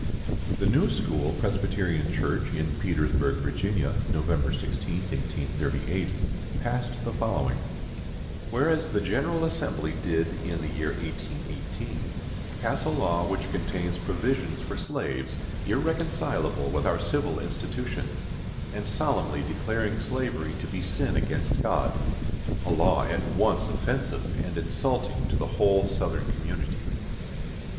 The New school Presbyterian Church in Petersburgh, Virginia, Nov. 16, 1838, passed the following: Whereas, the General Assembly did, in the year 1818, pass a law which contains provisions for slaves irreconcilable with our civil institutions, and solemnly declaring slavery to be sin against God—a law at once offensive and insulting to the whole Southern community, 1.